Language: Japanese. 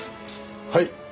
はい！